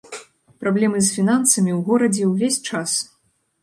Праблемы з фінансамі ў горадзе ўвесь час.